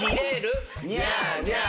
ニャーニャー。